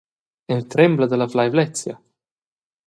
El trembla dalla fleivlezia.